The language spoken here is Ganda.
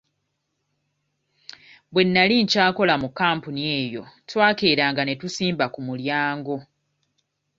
Bwe nali nkyakola mu kampuni eyo twakeranga ne tusimba ku mulyango.